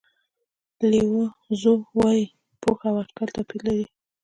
لیو زو وایي پوهه او اټکل توپیر لري.